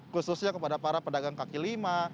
khususnya kepada para pedagang kaki lima